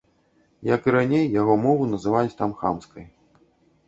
Як і раней, яго мову называюць там хамскай.